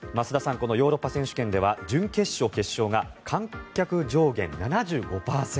このヨーロッパ選手権では準決勝、決勝が観客上限７５％